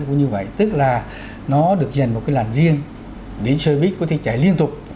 như vậy tức là nó được dành một cái làn riêng để xe buýt có thể chạy liên tục